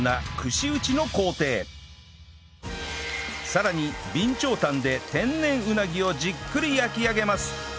さらに備長炭で天然うなぎをじっくり焼き上げます